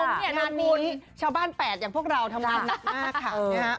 หลายคนบอกว่าเราทำงานของชาวบ้านแปดอย่างเราทำงานหนักมากค่ะ